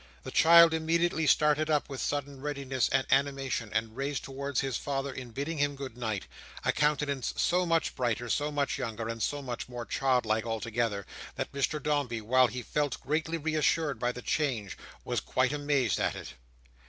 The child immediately started up with sudden readiness and animation, and raised towards his father in bidding him good night, a countenance so much brighter, so much younger, and so much more child like altogether, that Mr Dombey, while he felt greatly reassured by the change, was quite amazed at it.